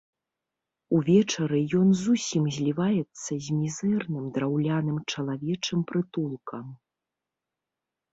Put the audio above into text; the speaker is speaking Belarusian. Увечары ён зусім зліваецца з мізэрным драўляным чалавечым прытулкам.